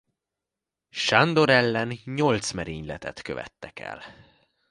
Sándor ellen nyolc merényletet követtek el.